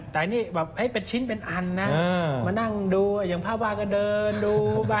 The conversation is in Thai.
แต่นี่แบบให้เป็นชิ้นเป็นอันนะมานั่งดูอย่างภาพวาดก็เดินดูไป